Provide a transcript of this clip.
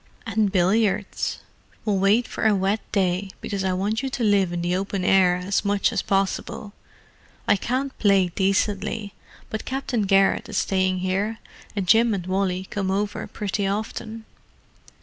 "And billiards? We'll wait for a wet day, because I want you to live in the open air as much as possible. I can't play decently, but Captain Garrett is staying here, and Jim and Wally come over pretty often."